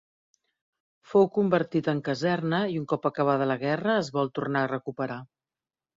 Fou convertit en caserna i un cop acabada la guerra es vol tornar a recuperar.